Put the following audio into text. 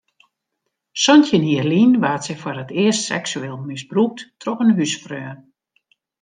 Santjin jier lyn waard sy foar it earst seksueel misbrûkt troch in húsfreon.